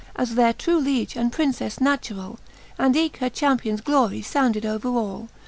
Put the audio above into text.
As their true Liege and PrincefTe naturall ;. And eke her champions glorie founded over all.